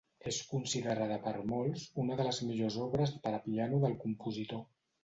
És considerada per molts una de les millors obres per a piano del compositor.